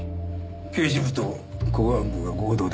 刑事部と公安部が合同で張り込む。